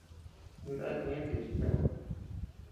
Ndata ñeʼe techeta ú.